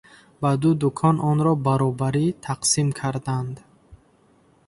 Ба ду дукон онро баробарӣ тақсим карданд.